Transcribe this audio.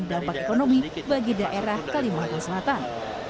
dampak ekonomi bagi daerah kalimantan selatan